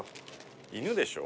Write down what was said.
犬でしょ？